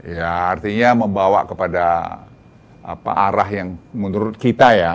ya artinya membawa kepada arah yang menurut kita ya